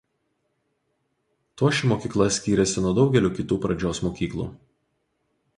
Tuo ši mokykla skyrėsi nuo daugelio kitų pradžios mokyklų.